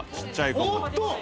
おっと。